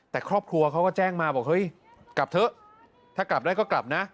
แต่ครอบครัวเขาก็แจ้งมาบอกเฮ้ยกลับเถอะถ้ากลับได้ก็กลับนะ